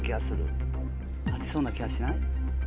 ありそうな気がしない？